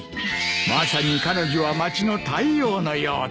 「まさに彼女は町の太陽のようだ」